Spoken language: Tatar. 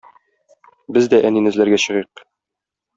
Без дә әнине эзләргә чыгыйк.